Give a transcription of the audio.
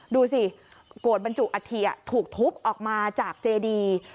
ดูสิโกรธบรรจุอัฐิถูกทุบออกมาจากเจดี